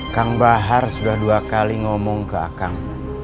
kang bahar sudah dua kali ngomong ke akang